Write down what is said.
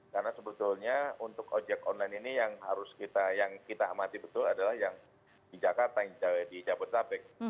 karena sebenarnya untuk objek online ini yang harus kita amati betul adalah yang di jakarta di jabodetabek